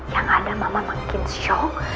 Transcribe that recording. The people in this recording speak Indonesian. yang ada mama makin shock